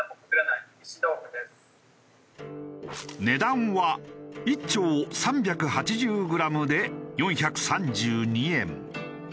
値段は１丁３８０グラムで４３２円。